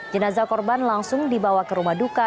jenazah korban langsung dibawa ke rumah duka